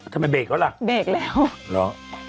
เบรกแล้วล่ะเบรกแล้วเหรอ